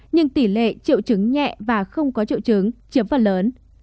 nhưng tỷ lệ triệu chứng nhẹ và không có triệu chứng chiếm phần lớn